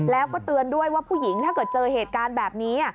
แล้วก็เตือนด้วยว่าผู้หญิงถ้าเกิดเจอเหตุการณ์แบบนี้